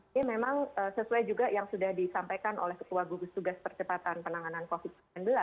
ini memang sesuai juga yang sudah disampaikan oleh ketua gugus tugas percepatan penanganan covid sembilan belas